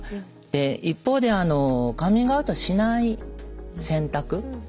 で一方でカミングアウトしない選択